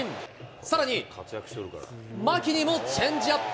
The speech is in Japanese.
さらに、牧にもチェンジアップ。